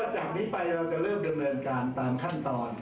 จากนี้ไปเราจะเริ่มดำเนินการตามขั้นตอน